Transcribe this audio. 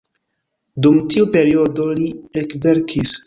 Dum tiu periodo, Li ekverkis.